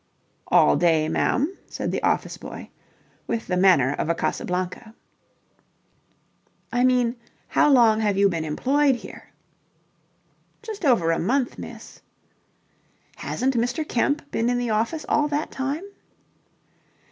"All day, ma'am," said the office boy, with the manner of a Casablanca. "I mean, how long have you been employed here?" "Just over a month, miss." "Hasn't Mr. Kemp been in the office all that time?"